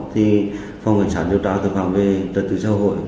thì phòng cảnh sát điều tra tội phạm về trật tự xã hội